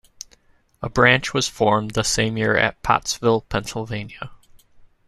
A branch was formed the same year at Pottsville, Pennsylvania.